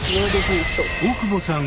大久保さん